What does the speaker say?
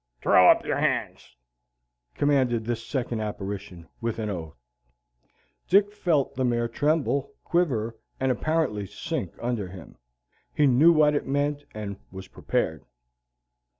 "Throw up your hands," commanded this second apparition, with an oath. Dick felt the mare tremble, quiver, and apparently sink under him. He knew what it meant and was prepared.